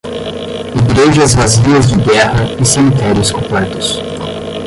Igrejas vazias de guerra e cemitérios completos.